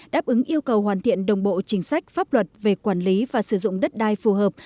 đáp ứng yêu cầu hoàn thiện đồng bộ chính sách pháp luật về quản lý và sử dụng đất đai phù hợp